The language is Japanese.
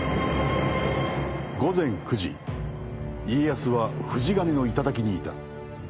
午前９時家康は富士ヶ根の頂にいた。